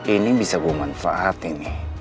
ini bisa bermanfaat ini